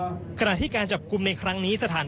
ในขณะที่การจับกลุ่มในครั้งนี้